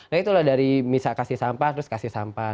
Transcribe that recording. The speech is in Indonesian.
nah itulah dari misal kasih sampah terus kasih sampah